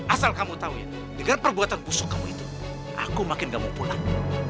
asal kamu tahu ya dengan perbuatan busuk kamu itu aku makin kamu pulang